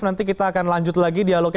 nanti kita akan lanjut lagi dialognya